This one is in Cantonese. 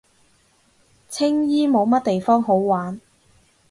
青衣冇乜地方好玩